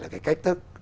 cái cách thức